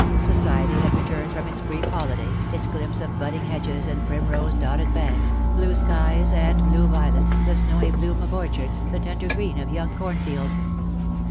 Society had returned from its brief holiday — its glimpse of budding hedges and primrose dotted banks^ blue skies and blue violctSj the snowy bloom of orchards, the tender green of young cornfields.